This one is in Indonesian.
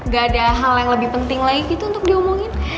gak ada hal yang lebih penting lagi gitu untuk diomongin